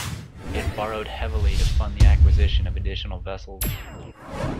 It borrowed heavily to fund the acquisition of additional vessels.